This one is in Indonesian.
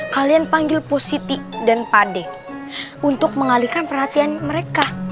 kalian panggil pusiti dan pak d untuk mengalihkan perhatian mereka